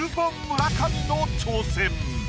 村上の挑戦。